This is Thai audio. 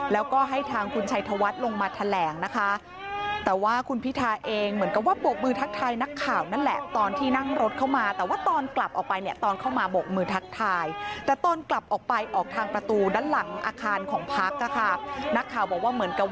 แล้วก็ให้ทางคุณชัยทวัฏลงมาแถมแรง